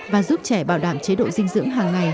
và giúp trẻ bảo đảm chế độ dinh dưỡng hàng ngày